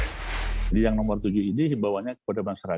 jadi yang nomor tujuh ini dibawanya kepada masyarakat